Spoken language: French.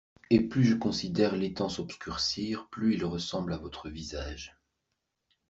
Et plus je considère l'étang s'obscurcir, plus il ressemble à votre visage.